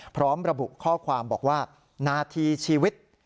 พร้อมระบุข้อความบอกว่านาทีชีวิต